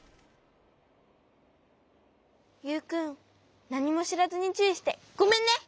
ユウくんなにもしらずにちゅういしてごめんね。